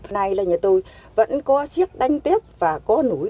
hôm nay là nhà tôi vẫn có chiếc đánh tép và có núi